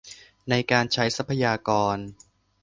ในการใช้ทรัพยากร